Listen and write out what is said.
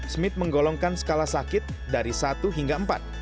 smith menggolongkan skala sakit dari satu hingga empat